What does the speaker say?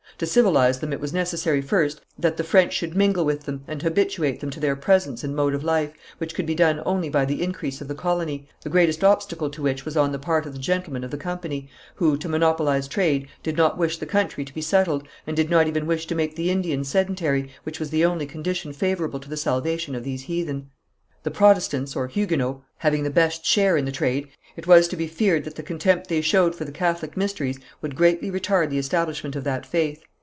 To civilize them it was necessary first that the French should mingle with them and habituate them to their presence and mode of life, which could be done only by the increase of the colony, the greatest obstacle to which was on the part of the gentlemen of the company, who, to monopolize trade, did not wish the country to be settled, and did not even wish to make the Indians sedentary, which was the only condition favourable to the salvation of these heathen. The Protestants, or Huguenots, having the best share in the trade, it was to be feared that the contempt they showed for the Catholic mysteries would greatly retard the establishment of that faith.